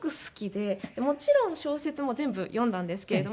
もちろん小説も全部読んだんですけれども。